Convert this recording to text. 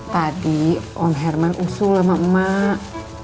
tadi om herman usul sama emak